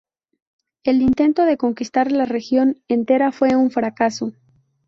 El intento de conquistar la región entera fue un fracaso.